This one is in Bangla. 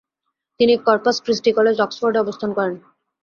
তিনি কর্পাস ক্রিস্টি কলেজ, অক্সফোর্ড-এ অবস্থান করেন।